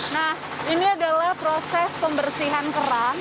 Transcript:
nah ini adalah proses pembersihan kerang